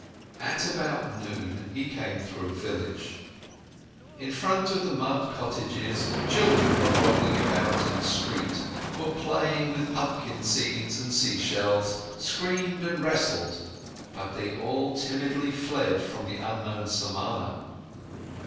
At about noon, he came through a village. In front of the mud cottages, children were rolling about in the street, were playing with pumpkin seeds and sea shells, screamed and wrestled, but they all timidly fled from the unknown Samana.